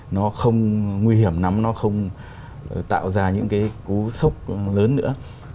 những năm nó không tạo ra những cái cú sốc lớn nữa